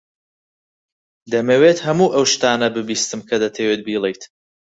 دەمەوێت هەموو ئەو شتانە ببیستم کە دەتەوێت بیڵێیت.